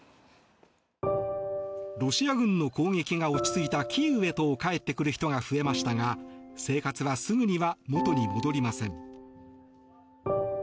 ロシア軍の攻撃が落ち着いたキーウへと帰ってくる人が増えましたが生活はすぐには元に戻りません。